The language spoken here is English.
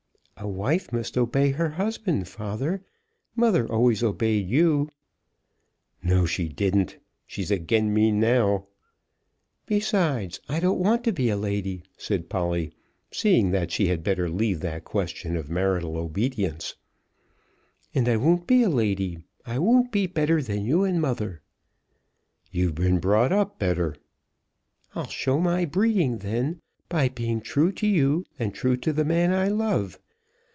"A wife must obey her husband, father. Mother always obeyed you." "No, she didn't. She's again me now." "Besides, I don't want to be a lady," said Polly, seeing that she had better leave that question of marital obedience; "and I won't be a lady. I won't be better than you and mother." "You've been brought up better." "I'll show my breeding, then, by being true to you, and true to the man I love.